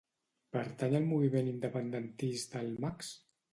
Pertany al moviment independentista el Max?